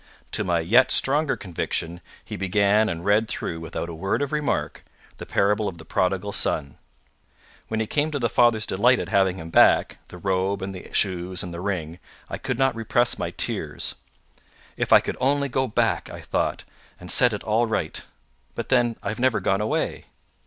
To my yet stronger conviction, he began and read through without a word of remark the parable of the Prodigal Son. When he came to the father's delight at having him back, the robe, and the shoes, and the ring, I could not repress my tears. "If I could only go back," I thought, "and set it all right! but then I've never gone away."